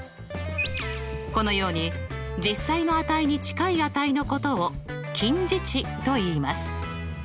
このように実際の値に近い値のことを近似値といいます。